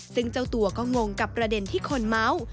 ซึ่งเจ้าตัวก็งงกับประเด็นที่คนเมาส์